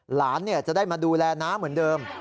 หลานจะได้มาดูแลน้าเหมือนเดิม